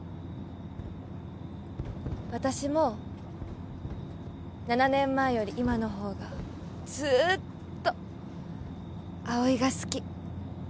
私も７年前より今の方がずーっと葵が好き